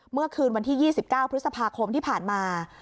เมื่อคืนวันที่๒๙พฤษภาคมที่ผ่านมา